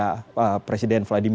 kita punya berbagai nilai nilai